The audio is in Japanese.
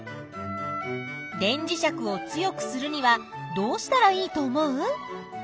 電磁石を強くするにはどうしたらいいと思う？